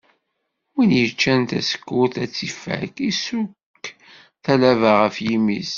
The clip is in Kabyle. Win yeččan tasekkurt ar tt-ifak, isuk talaba ɣef yimi-s.